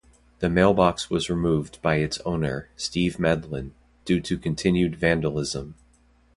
The mailbox was removed by its owner, Steve Medlin, due to continued vandalism.